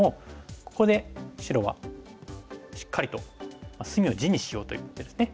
ここで白はしっかりと隅を地にしようと言ってるんですね。